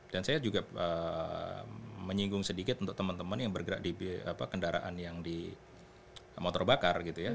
dan saya juga menyinggung sedikit untuk teman teman yang bergerak di kendaraan yang di motor bakar gitu ya